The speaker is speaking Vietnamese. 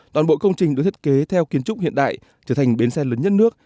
toàn bộ công trình được thiết kế theo kiến trúc hiện đại trở thành bến xe lớn nhất nước